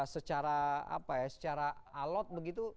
secara alat begitu